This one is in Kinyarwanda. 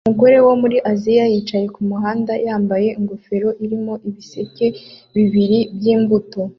Umugore wo muri Aziya yicaye kumuhanda yambaye ingofero irimo ibiseke bibiri byimbuto